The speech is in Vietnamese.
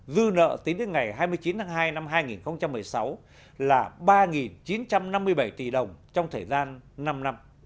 dư nợ tính đến ngày hai mươi chín tháng hai năm hai nghìn một mươi sáu là ba chín trăm năm mươi bảy tỷ đồng trong thời gian năm năm